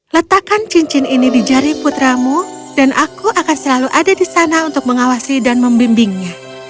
letakkan cincin ini di jari putramu dan aku akan selalu ada di sana untuk mengawasi dan membimbingnya